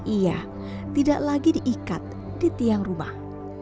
ia tidak lagi diikat di tiang rumah